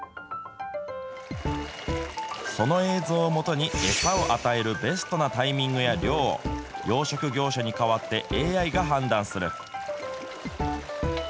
その映像をもとに、餌を与えるベストなタイミングや量を、養殖業者に代わってＡＩが判断する。